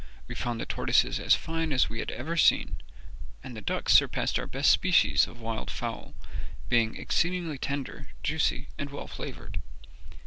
We found the tortoises as fine as we had ever seen, and the ducks surpassed our best species of wild fowl, being exceedingly tender, juicy, and well flavoured.